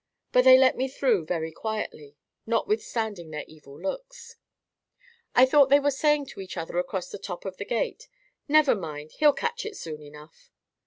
But they let me through very quietly, notwithstanding their evil looks. I thought they were saying to each other across the top of the gate, "Never mind; he'll catch it soon enough."